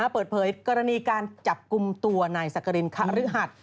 เปิดเผยกรณีการจับกลุ่มตัวนายสักกรินคฤหัส